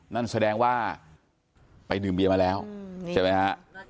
นั่นแสดงว่าไปดื่มเบียมาแล้วใช่ไหมฮะ